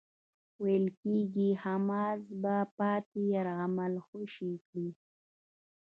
ویل کېږی حماس به پاتې يرغمل خوشي کړي.